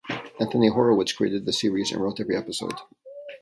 Anthony Horowitz created the series and wrote every episode.